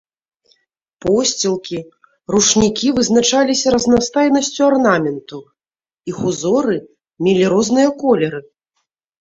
Посцілкі, ручнікі вызначаліся разнастайнасцю арнаменту, іх узоры мелі розныя колеры.